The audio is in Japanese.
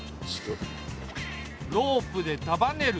ロープで束ねる。